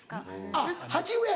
あっ鉢植え。